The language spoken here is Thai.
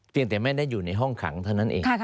แต่ไม่ได้อยู่ในห้องขังเท่านั้นเอง